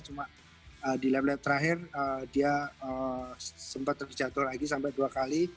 cuma di lab lab terakhir dia sempat terjatuh lagi sampai dua kali